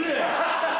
ハハハ！